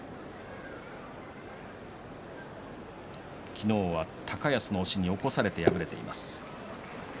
昨日は高安の押しに起こされて敗れています。